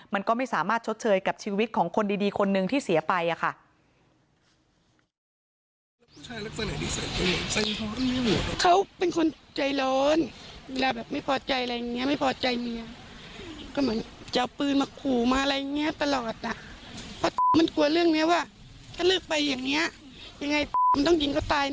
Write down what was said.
มันก็ไม่สามารถชดเชยกับชีวิตของคนดีคนนึงที่เสียไปค่ะ